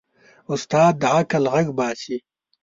استاد د عقل غږ باسي.